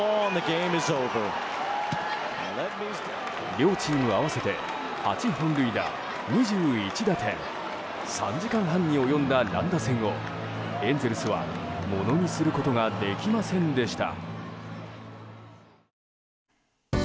両チーム合わせて８本塁打２１打点３時間半に及んだ乱打戦をエンゼルスはものにすることができませんでした。